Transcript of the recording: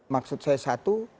maksud saya satu